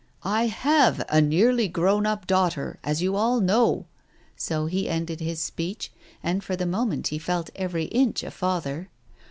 " I haye a nearly grown up daughter, as you all know," so he ended his speech, and for the moment he felt every inch a father.